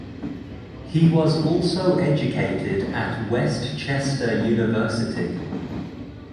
He was also educated at West Chester University.